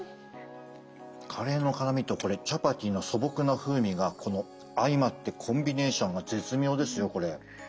カレーの辛みとこれチャパティの素朴な風味がこの相まってコンビネーションが絶妙ですよこれ。